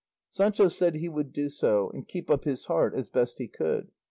Sancho said he would do so, and keep up his heart as best he could.